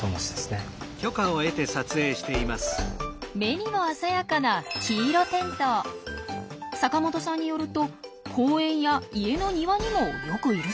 目にも鮮やかな阪本さんによると公園や家の庭にもよくいるそうです。